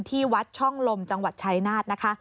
ที่วัดช่องลมจังหวัดชายนาฏนะคะ